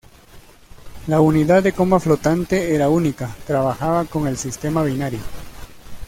La unidad de coma flotante era única, trabajaba con el sistema binario.